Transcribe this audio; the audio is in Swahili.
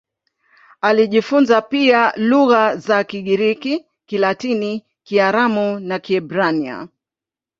Alijifunza pia lugha za Kigiriki, Kilatini, Kiaramu na Kiebrania.